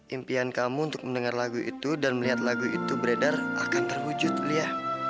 impian kamu untuk mendengar lagu itu dan melihat lagu itu beredar akan terwujud lia